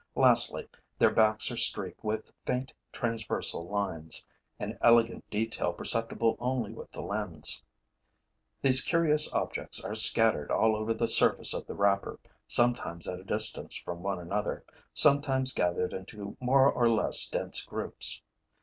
Lastly, their backs are streaked with faint transversal lines, an elegant detail perceptible only with the lens. These curious objects are scattered all over the surface of the wrapper, sometimes at a distance from one another, sometimes gathered into more or less dense groups.